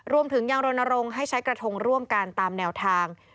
รวมถึงยังรณรงค์ให้ใช้กระทงร่วมกันตามแนวทาง